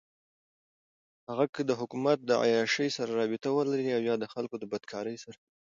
هغــه كه دحــكومت دعيــاشۍ سره رابطه ولري اويا دخلـــكو دبدكارۍ سره.